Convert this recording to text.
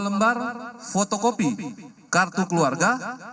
lembar fotokopi kartu keluarga